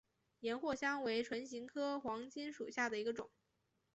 岩藿香为唇形科黄芩属下的一个种。